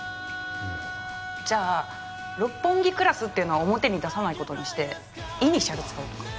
じゃあ六本木クラスっていうのは表に出さない事にしてイニシャル使うとか。